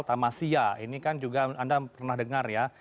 tamasya ini kan juga anda pernah dengar ya